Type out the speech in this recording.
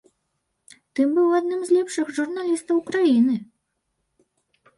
Ты быў адным з лепшых журналістаў краіны!